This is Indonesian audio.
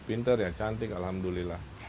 pinter ya cantik alhamdulillah